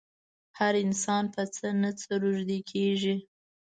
هر انسان په څه نه څه روږدی کېږي.